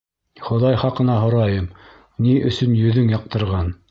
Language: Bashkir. — Хоҙай хаҡына һорайым, ни өсөн йөҙөң яҡтырған?